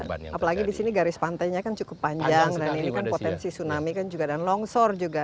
apalagi di sini garis pantainya kan cukup panjang dan ini kan potensi tsunami kan juga dan longsor juga